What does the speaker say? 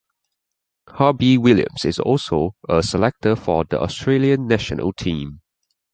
Harby-Williams is also a selector for the Australian National team.